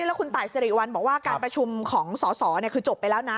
แล้วคุณตายสิริวัลบอกว่าการประชุมของสอสอคือจบไปแล้วนะ